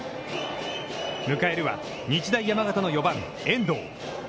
迎えるは、日大山形の４番遠藤。